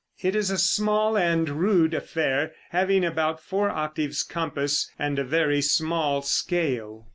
It is a small and rude affair, having about four octaves compass and a very small scale.